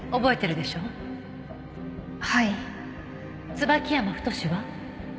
椿山太は？